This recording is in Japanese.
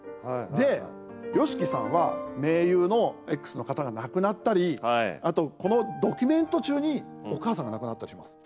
で、ＹＯＳＨＩＫＩさんは盟友のＸの方が亡くなったりあと、このドキュメント中にお母さんが亡くなったりします。